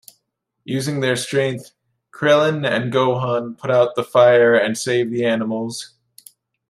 Using their strength, Krillin and Gohan put out the fire and save the animals.